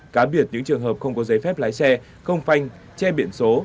cá biệt những trường hợp không có giấy phép lái xe không phanh che biển số